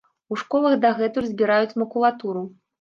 У школах дагэтуль збіраюць макулатуру.